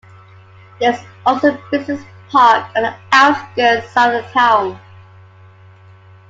There is also a business park on the outskirts of the town.